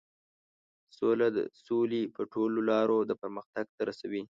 سوله د سولې په ټولو لارو د پرمختګ ته رسوي.